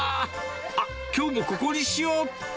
あっ、きょうもここにしようっと。